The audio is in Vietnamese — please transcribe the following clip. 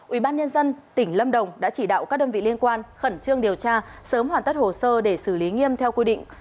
ubnd tỉnh lâm đồng đã chỉ đạo các đơn vị liên quan khẩn trương điều tra sớm hoàn tất hồ sơ để xử lý nghiêm theo quy định